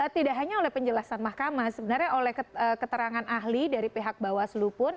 tidak hanya oleh penjelasan mahkamah sebenarnya oleh keterangan ahli dari pihak bawaslu pun